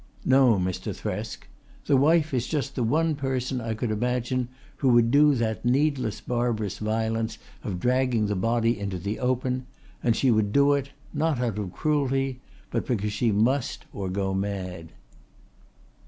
No, Mr. Thresk. The wife is just the one person I could imagine who would do that needless barbarous violence of dragging the body into the open and she would do it, not out of cruelty, but because she must or go mad."